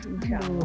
ya insya allah